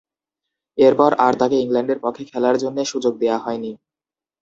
এরপর, আর তাকে ইংল্যান্ডের পক্ষে খেলার জন্যে সুযোগ দেয়া হয়নি।